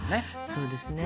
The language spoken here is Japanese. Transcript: そうですね。